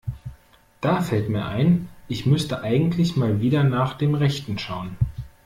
Da fällt mir ein, ich müsste eigentlich mal wieder nach dem Rechten schauen.